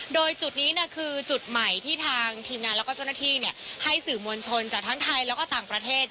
โดยจุดนี้คือจุดใหม่ที่ทางทีมงานแล้วก็เจ้าหน้าที่ให้สื่อมวลชนจากทั้งไทยแล้วก็ต่างประเทศ